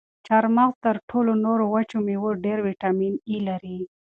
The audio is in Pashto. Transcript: دا چهارمغز تر ټولو نورو وچو مېوو ډېر ویټامین ای لري.